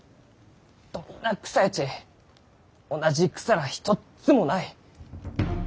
どんな草やち同じ草らあひとっつもない！